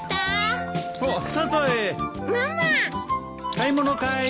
買い物かい？